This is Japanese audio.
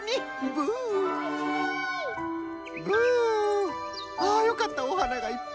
ぶんああよかったおはながいっぱい。